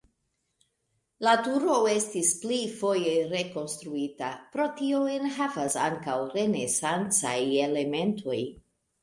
La turo estis pli foje rekonstruita, pro tio enhavas ankaŭ renesancaj elementoj.